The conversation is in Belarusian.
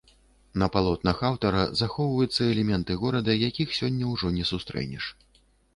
На палотнах аўтара захоўваюцца элементы горада, якіх сёння ўжо не сустрэнеш.